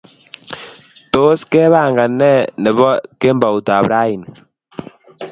Tos, kepangan ne neboo kemboutab raini?